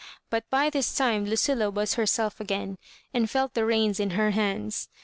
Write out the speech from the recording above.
But by this time Lucilla was herself again, and felt the reins in her hands.